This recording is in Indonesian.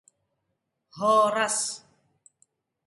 Aku akan kembali dalam waktu kurang dari satu jam.